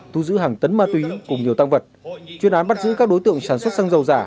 thu giữ hàng tấn ma túy cùng nhiều tăng vật chuyên án bắt giữ các đối tượng sản xuất xăng dầu giả